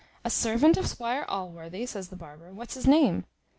"A servant of Squire Allworthy!" says the barber; "what's his name?"